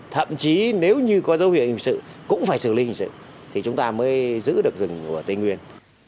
thậm chí nếu như có dấu hiệu hình sự cũng phải xử lý hình sự thì chúng ta mới giữ được rừng ở tây nguyên